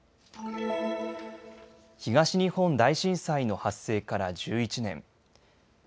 東日本大震災の発生から１１年。